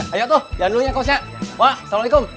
ayo tuh jalan dulu ya kosnya wa assalamualaikum